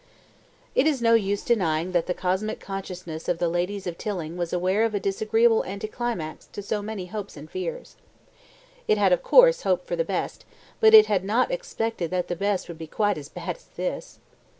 It is no use denying that the Cosmic Consciousness of the ladies of Tilling was aware of a disagreeable anticlimax to so many hopes and fears. It had, of course, hoped for the best, but it had not expected that the best would be quite as bad as this.